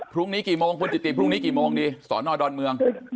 พรุ่งนี้กี่โมงคุณจิติพรุ่งนี้กี่โมงดีสอนอดอนเมือง